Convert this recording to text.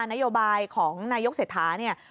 นโยบายของนายกเศรษฐาเนี่ย